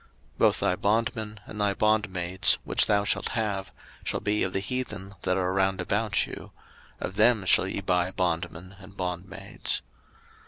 03:025:044 Both thy bondmen, and thy bondmaids, which thou shalt have, shall be of the heathen that are round about you; of them shall ye buy bondmen and bondmaids.